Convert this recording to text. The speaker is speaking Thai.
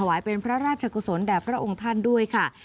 เป็นพระราชกุศลแด่พระองค์ท่านด้วยค่ะ